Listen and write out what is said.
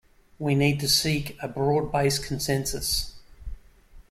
We need to seek a broad-based consensus.